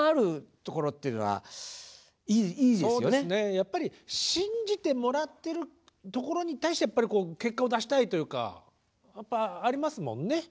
やっぱり信じてもらってるところに対して結果を出したいというかやっぱありますもんね。